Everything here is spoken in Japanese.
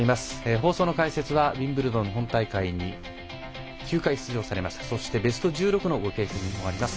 放送の解説はウィンブルドン本大会に９回出場されてベスト１６の経験もあります